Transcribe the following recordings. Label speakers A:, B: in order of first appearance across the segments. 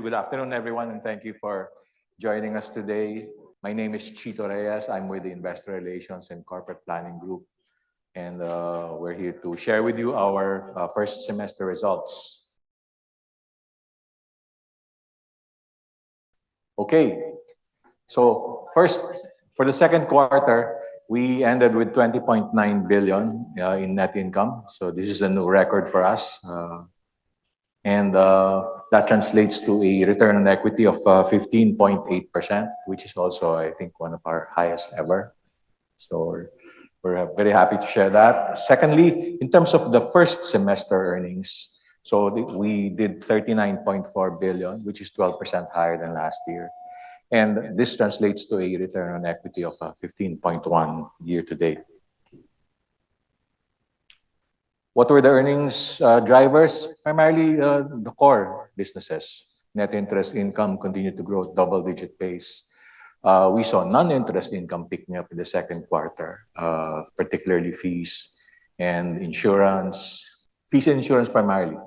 A: Good afternoon, everyone, thank you for joining us today. My name is Chito Reyes. I'm with the Investor Relations and Corporate Planning Group. We're here to share with you our first semester results. First, for the second quarter, we ended with 20.9 billion in net income. This is a new record for us. That translates to a return on equity of 15.8%, which is also, I think, one of our highest ever. We're very happy to share that. Secondly, in terms of the first semester earnings, we did 39.4 billion, which is 12% higher than last year. This translates to a return on equity of 15.1% year to date. What were the earnings drivers? Primarily, the core businesses. Net interest income continued to grow at double-digit pace. We saw non-interest income picking up in the second quarter, particularly fees and insurance. Fees and insurance primarily.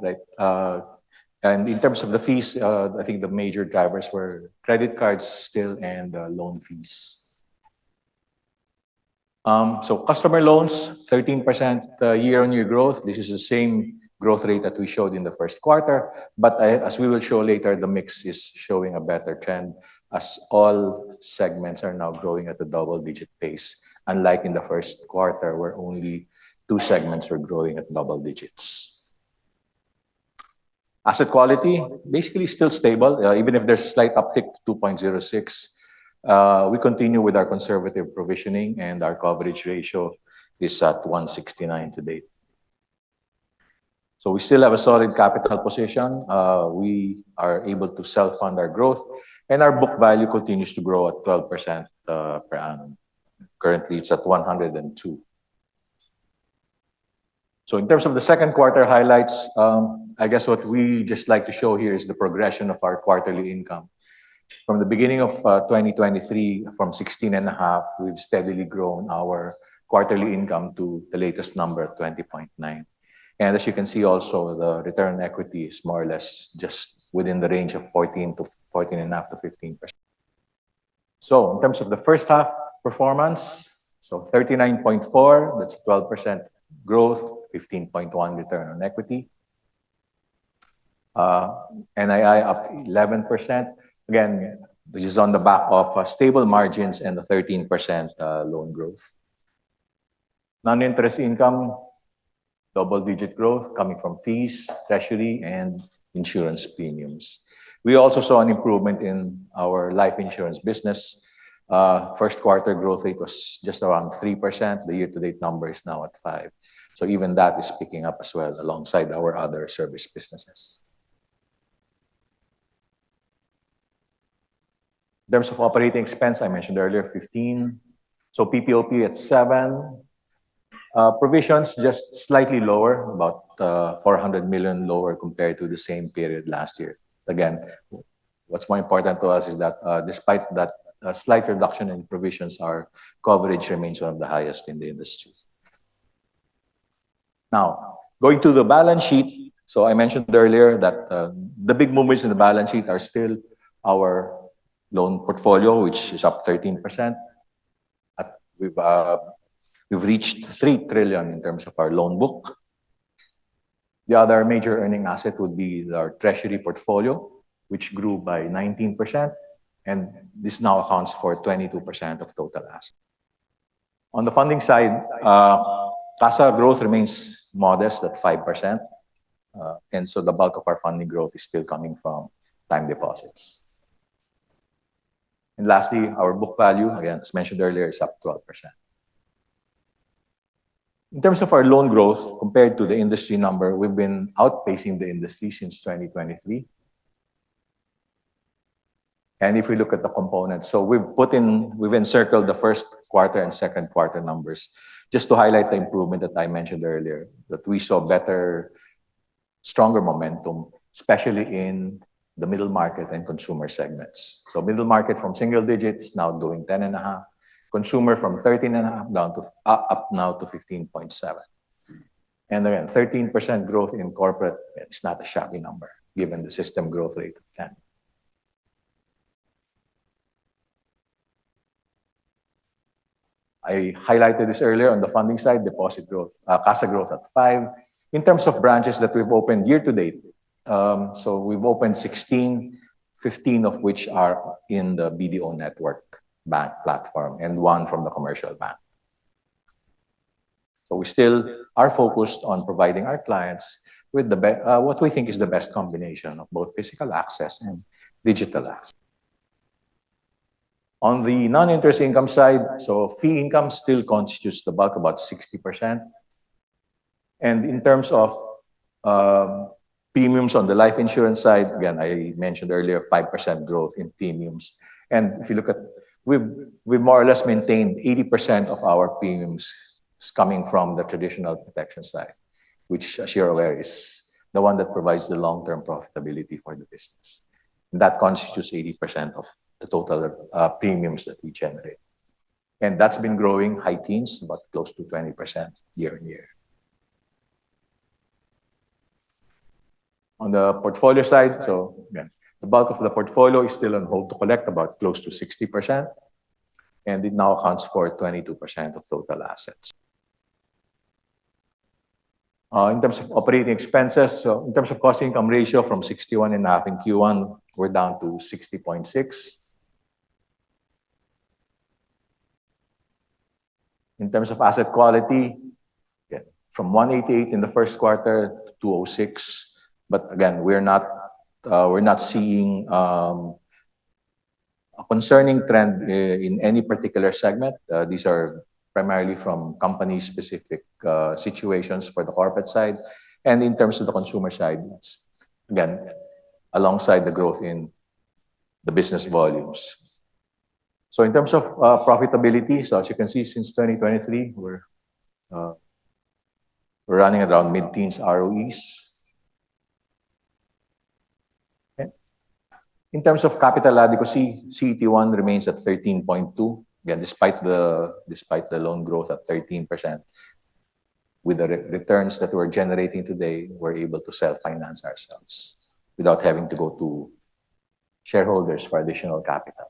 A: In terms of the fees, I think the major drivers were credit cards still and loan fees. Customer loans, 13% year-on-year growth. This is the same growth rate that we showed in the first quarter. As we will show later, the mix is showing a better trend as all segments are now growing at a double-digit pace, unlike in the first quarter where only two segments were growing at double digits. Asset quality, basically still stable, even if there's a slight uptick to 2.06. We continue with our conservative provisioning, and our coverage ratio is at 169% to date. We still have a solid capital position. We are able to self-fund our growth, and our book value continues to grow at 12% per annum. Currently, it's at 102. In terms of the second quarter highlights, I guess what we just like to show here is the progression of our quarterly income. From the beginning of 2023, from 16.5 billion, we've steadily grown our quarterly income to the latest number, 20.9 billion. As you can see also, the return on equity is more or less just within the range of 14%-14.5%-15%. In terms of the first half performance, 39.4 billion, that's 12% growth, 15.1% return on equity. NII up 11%. Again, this is on the back of stable margins and a 13% loan growth. Non-interest income, double-digit growth coming from fees, treasury, and insurance premiums. We also saw an improvement in our life insurance business. First quarter growth rate was just around 3%. The year-to-date number is now at 5%. Even that is picking up as well alongside our other service businesses. In terms of operating expense, I mentioned earlier, 15%. PPOP at 7%. Provisions, just slightly lower, about 400 million lower compared to the same period last year. Again, what's more important to us is that despite that slight reduction in provisions, our coverage remains one of the highest in the industry. Going to the balance sheet. I mentioned earlier that the big movements in the balance sheet are still our loan portfolio, which is up 13%. We've reached 3 trillion in terms of our loan book. The other major earning asset would be our treasury portfolio, which grew by 19%, and this now accounts for 22% of total assets. On the funding side, CASA growth remains modest at 5%, the bulk of our funding growth is still coming from time deposits. Lastly, our book value, again, as mentioned earlier, is up 12%. In terms of our loan growth compared to the industry number, we've been outpacing the industry since 2023. If we look at the components, we've encircled the first quarter and second quarter numbers just to highlight the improvement that I mentioned earlier, that we saw better, stronger momentum, especially in the middle market and consumer segments. Middle market from single digits now doing 10.5. Consumer from 13.5 up now to 15.7. Again, 13% growth in corporate, it's not a shabby number given the system growth rate of 10%. I highlighted this earlier on the funding side, deposit growth, CASA growth at 5%. In terms of branches that we've opened year to date, we've opened 16, 15 of which are in the BDO Network Bank platform and one from the commercial bank. We still are focused on providing our clients with what we think is the best combination of both physical access and digital access. On the non-interest income side, fee income still constitutes the bulk, about 60%. In terms of premiums on the life insurance side, again, I mentioned earlier, 5% growth in premiums. If you look at, we've more or less maintained 80% of our premiums coming from the traditional protection side, which as you're aware, is the one that provides the long-term profitability for the business. That constitutes 80% of the total premiums that we generate. That's been growing high teens, but close to 20% year-on-year. On the portfolio side, the bulk of the portfolio is still on hold to collect about close to 60%, and it now accounts for 22% of total assets. In terms of operating expenses, in terms of cost income ratio from 61.5% in Q1, we're down to 60.6%. In terms of asset quality, from 188% in the first quarter to 206%. But again, we're not seeing a concerning trend in any particular segment. These are primarily from company specific situations for the corporate side. In terms of the consumer side, it's again, alongside the growth in the business volumes. In terms of profitability, as you can see since 2023, we're running around mid-teens ROEs. In terms of capital adequacy, CET1 remains at 13.2% despite the loan growth at 13%. With the returns that we're generating today, we're able to self-finance ourselves without having to go to shareholders for additional capital.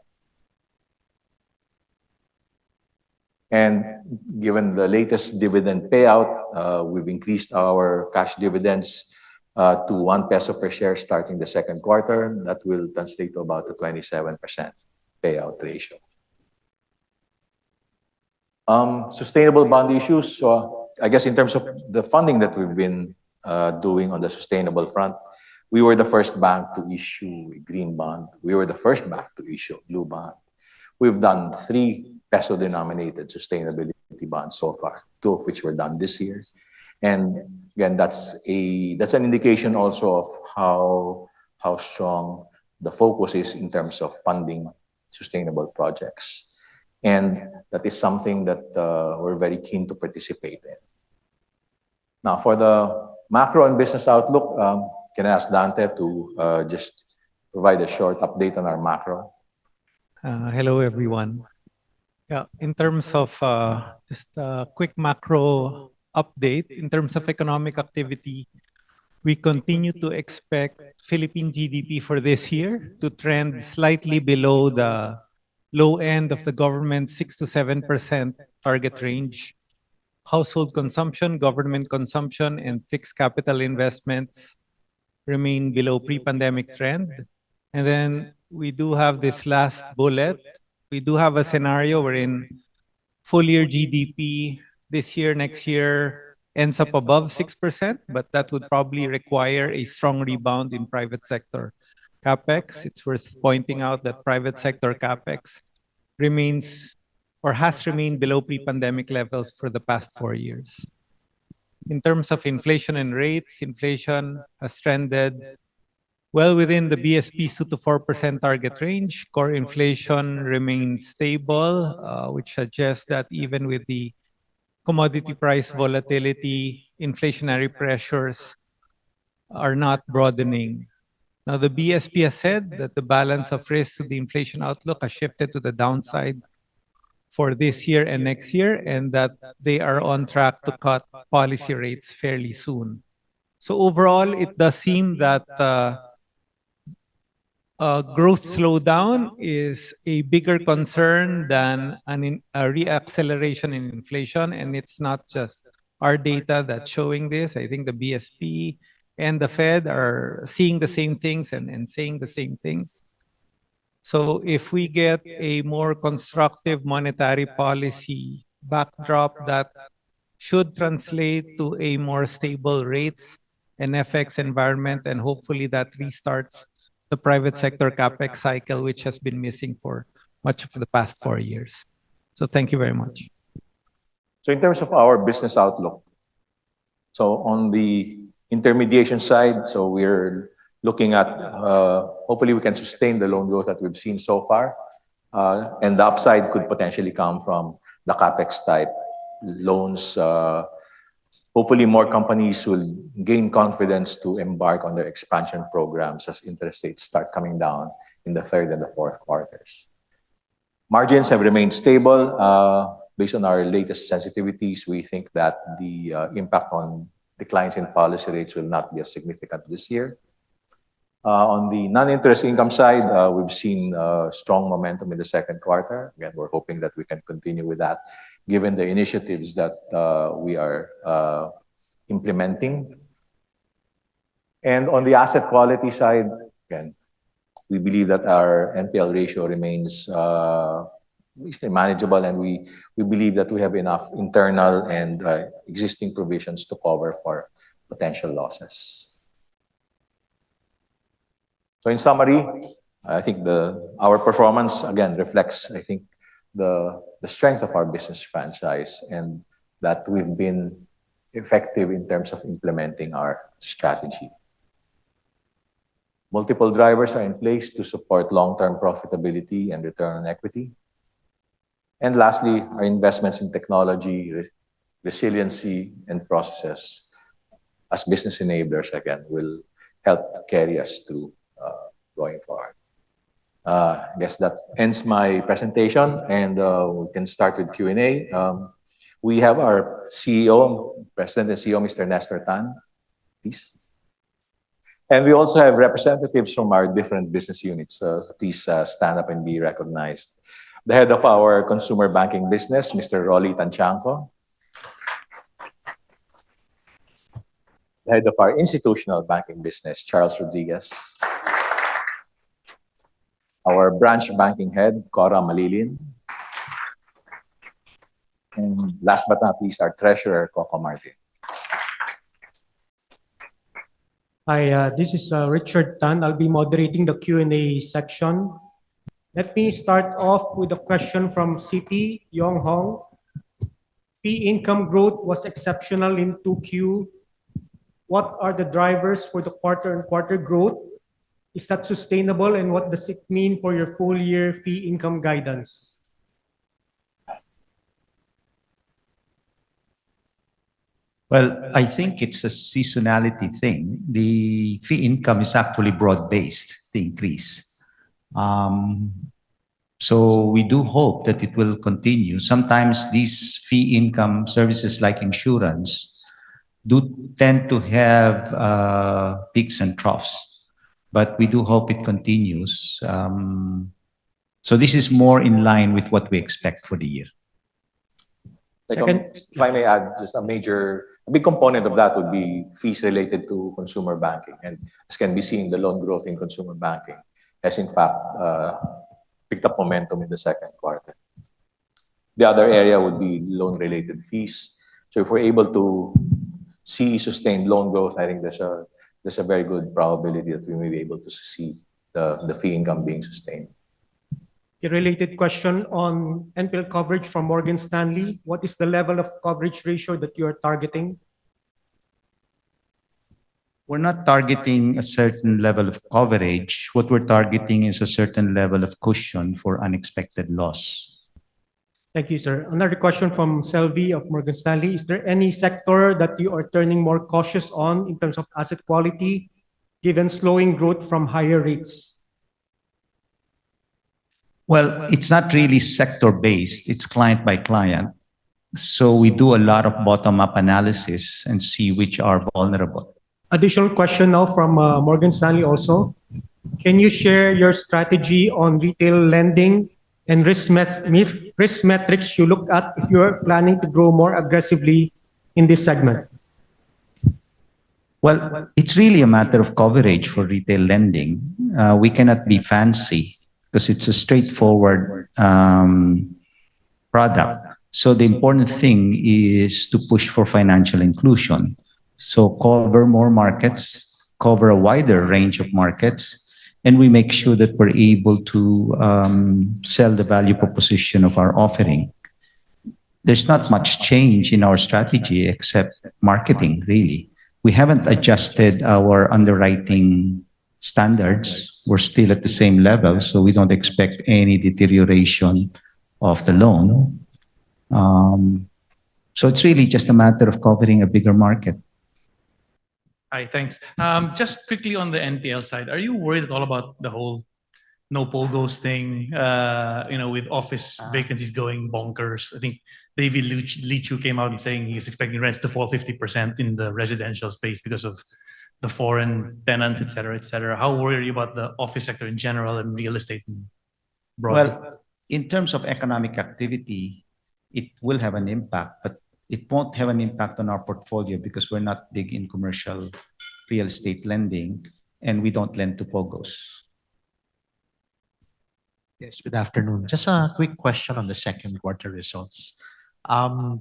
A: Given the latest dividend payout, we've increased our cash dividends to ₱1 per share starting the second quarter. That will translate to about a 27% payout ratio. Sustainable bond issues. I guess in terms of the funding that we've been doing on the sustainable front, we were the first bank to issue a green bond. We were the first bank to issue a blue bond. We've done 3 peso-denominated sustainability bonds so far, 2 of which were done this year. Again, that's an indication also of how strong the focus is in terms of funding sustainable projects. That is something that we're very keen to participate in. Can I ask Dante to just provide a short update on our macro?
B: Hello, everyone. In terms of just a quick macro update, in terms of economic activity, we continue to expect Philippine GDP for this year to trend slightly below the low end of the government 6%-7% target range. Household consumption, government consumption, and fixed capital investments remain below pre-pandemic trend. We do have this last bullet. We do have a scenario wherein full year GDP this year, next year, ends up above 6%, that would probably require a strong rebound in private sector CapEx. It's worth pointing out that private sector CapEx remains or has remained below pre-pandemic levels for the past four years. In terms of inflation and rates, inflation has trended well within the BSP 2%-4% target range. Core inflation remains stable, which suggests that even with the commodity price volatility, inflationary pressures are not broadening. The BSP has said that the balance of risk to the inflation outlook has shifted to the downside for this year and next year, they are on track to cut policy rates fairly soon. Overall, it does seem that growth slowdown is a bigger concern than a re-acceleration in inflation. It's not just our data that's showing this. I think the BSP and the Fed are seeing the same things and saying the same things. If we get a more constructive monetary policy backdrop, that should translate to a more stable rates and FX environment, hopefully that restarts the private sector CapEx cycle, which has been missing for much of the past four years. Thank you very much.
A: In terms of our business outlook, on the intermediation side, we're looking at hopefully we can sustain the loan growth that we've seen so far. The upside could potentially come from the CapEx type loans. Hopefully, more companies will gain confidence to embark on their expansion programs as interest rates start coming down in the third and the fourth quarters. Margins have remained stable. Based on our latest sensitivities, we think that the impact on declines in policy rates will not be as significant this year. On the non-interest income side, we've seen strong momentum in the second quarter. Again, we're hoping that we can continue with that given the initiatives that we are implementing. On the asset quality side, again, we believe that our NPL ratio remains manageable, we believe that we have enough internal and existing provisions to cover for potential losses. In summary, I think our performance again reflects the strength of our business franchise and that we've been effective in terms of implementing our strategy. Multiple drivers are in place to support long-term profitability and return on equity. Lastly, our investments in technology, resiliency, and processes as business enablers again will help carry us through going forward. I guess that ends my presentation, and we can start with Q&A. We have our President and CEO, Mr. Nestor Tan. Please. We also have representatives from our different business units. Please stand up and be recognized. The Head of our Consumer Banking business, Mr. Rolly Tanchanco. The Head of our Institutional Banking business, Charles Rodriguez. Our Branch Banking Head, Cora Mallillin. And last but not least, our Treasurer, Coco Martin.
C: Hi, this is Richard Tan. I'll be moderating the Q&A section. Let me start off with a question from Citi, Yong Hong. Fee income growth was exceptional in 2Q. What are the drivers for the quarter-over-quarter growth? Is that sustainable, and what does it mean for your full-year fee income guidance?
D: Well, I think it's a seasonality thing. The fee income is actually broad-based, the increase. We do hope that it will continue. Sometimes these fee income services, like insurance, do tend to have peaks and troughs. We do hope it continues. This is more in line with what we expect for the year.
A: Second, if I may add, just a major big component of that would be fees related to consumer banking. This can be seen in the loan growth in consumer banking has, in fact, picked up momentum in the second quarter. The other area would be loan-related fees. If we're able to see sustained loan growth, I think there's a very good probability that we may be able to see the fee income being sustained.
C: Okay. Related question on NPL coverage from Morgan Stanley. What is the level of coverage ratio that you are targeting?
D: We're not targeting a certain level of coverage. What we're targeting is a certain level of cushion for unexpected loss.
C: Thank you, sir. Another question from Selvie of Morgan Stanley. Is there any sector that you are turning more cautious on in terms of asset quality given slowing growth from higher rates?
D: Well, it's not really sector based. It's client by client. We do a lot of bottom-up analysis and see which are vulnerable.
C: Additional question now from Morgan Stanley also. Can you share your strategy on retail lending and risk metrics you looked at if you are planning to grow more aggressively in this segment?
D: Well, it's really a matter of coverage for retail lending. We cannot be fancy because it's a straightforward product. The important thing is to push for financial inclusion. Cover more markets, cover a wider range of markets, and we make sure that we're able to sell the value proposition of our offering. There's not much change in our strategy except marketing, really. We haven't adjusted our underwriting standards. We're still at the same level, so we don't expect any deterioration of the loan. It's really just a matter of covering a bigger market.
E: Hi, thanks. Just quickly on the NPL side, are you worried at all about the whole no POGOs thing, with office vacancies going bonkers? I think David Leechiu came out and saying he's expecting rents to fall 50% in the residential space because of the foreign tenant, et cetera. How worried are you about the office sector in general and real estate broadly?
D: Well, in terms of economic activity, it will have an impact, but it won't have an impact on our portfolio because we're not big in commercial real estate lending, and we don't lend to POGOs.
F: Yes, good afternoon. Just a quick question on the second quarter results.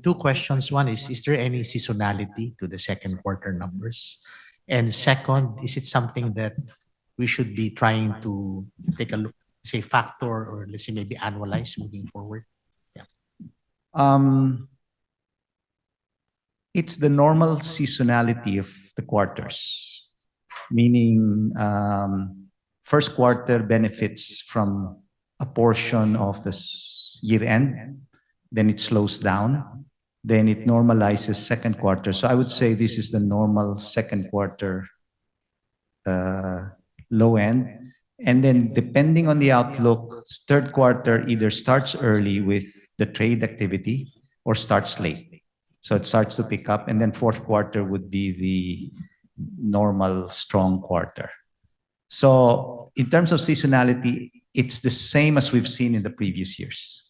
F: Two questions. One is there any seasonality to the second quarter numbers? Second, is it something that we should be trying to take a look, say, factor or let's say maybe annualize moving forward? Yeah.
D: It's the normal seasonality of the quarters, meaning first quarter benefits from a portion of this year-end, then it slows down, then it normalizes second quarter. I would say this is the normal second quarter low end. Then depending on the outlook, third quarter either starts early with the trade activity or starts late. It starts to pick up, then fourth quarter would be the normal strong quarter. In terms of seasonality, it's the same as we've seen in the previous years.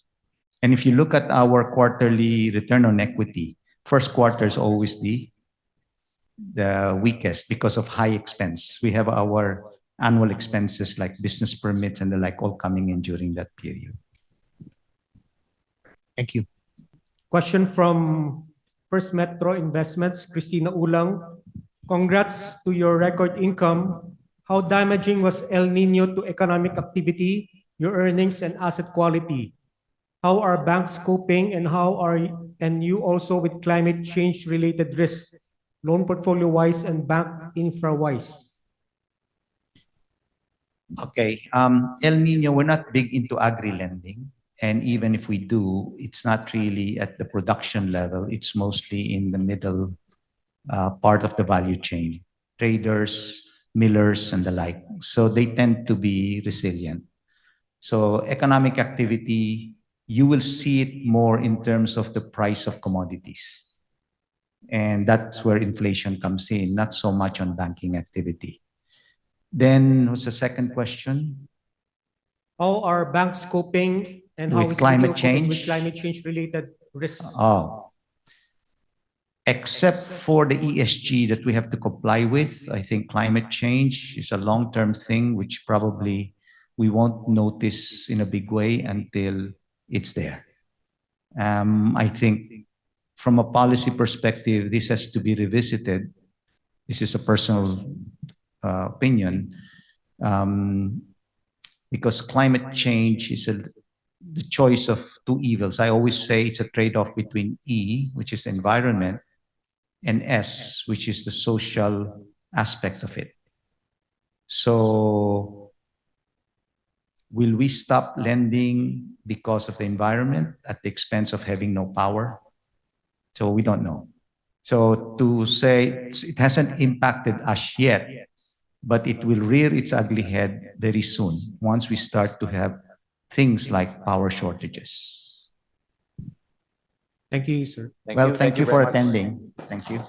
D: If you look at our quarterly return on equity, first quarter is always the weakest because of high expense. We have our annual expenses like business permits and the like all coming in during that period.
F: Thank you.
C: Question from First Metro Investments, Cristina Ulang. Congrats to your record income. How damaging was El Niño to economic activity, your earnings and asset quality? How are banks coping, you also with climate change related risk, loan portfolio-wise and bank infra-wise?
D: Okay. El Niño, we're not big into agri-lending, even if we do, it's not really at the production level. It's mostly in the middle part of the value chain, traders, millers, and the like. They tend to be resilient. Economic activity, you will see it more in terms of the price of commodities, and that's where inflation comes in, not so much on banking activity. What was the second question?
C: How are banks coping-
D: With climate change?
C: How is BDO coping with climate change related risk?
D: Oh. Except for the ESG that we have to comply with, I think climate change is a long-term thing which probably we won't notice in a big way until it's there. I think from a policy perspective, this has to be revisited. This is a personal opinion, because climate change is the choice of two evils. I always say it's a trade-off between E, which is environment, and S, which is the social aspect of it. Will we stop lending because of the environment at the expense of having no power? We don't know. To say it hasn't impacted us yet, but it will rear its ugly head very soon once we start to have things like power shortages.
E: Thank you, sir.
D: Well, thank you for attending. Thank you